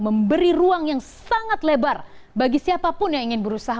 memberi ruang yang sangat lebar bagi siapapun yang ingin berusaha